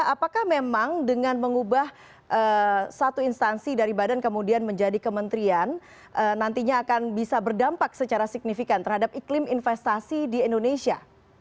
apakah memang dengan mengubah satu instansi dari badan kemudian menjadi kementerian nantinya akan bisa berdampak secara signifikan terhadap iklim investasi di indonesia